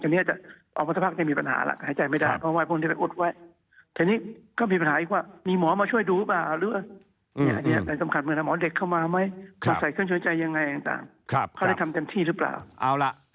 อันนี้ออกมาเสร็จซะภาคจะมีปัญหาล่ะ